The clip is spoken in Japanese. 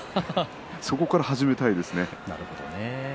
そこから始めたいですね。